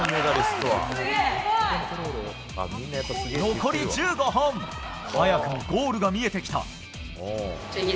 残り１５本早くもゴールが見えてきた！